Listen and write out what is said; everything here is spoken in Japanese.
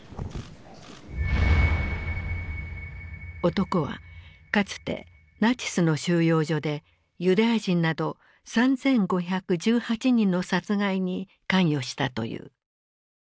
男はかつてナチスの収容所でユダヤ人など３，５１８人の殺害に関与したという。